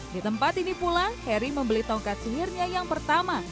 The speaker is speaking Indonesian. di tempat ini pula harry membeli tongkat sihirnya yang pertama